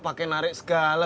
pake narik segala